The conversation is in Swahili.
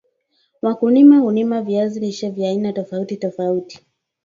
wakulima hulima viazi lishe vya aina tofauti tofauti